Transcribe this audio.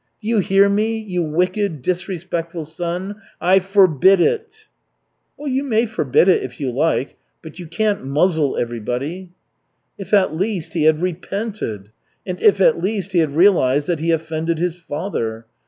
Do you hear me, you wicked, disrespectful son, I f o r b i d it!" "You may forbid it, if you like, but you can't muzzle everybody." "If at least he had repented! And if at least he had realized that he offended his father!